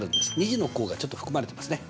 ２次の項がちょっと含まれてますね。